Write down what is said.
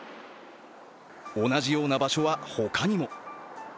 同じような場所は他にも。